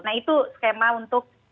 nah itu skema untuk